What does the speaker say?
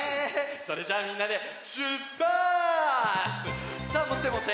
それじゃあみんなでしゅっぱつ！さあもってもって！